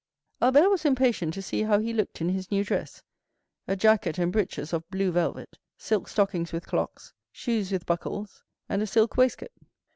Albert was impatient to see how he looked in his new dress—a jacket and breeches of blue velvet, silk stockings with clocks, shoes with buckles, and a silk waistcoat.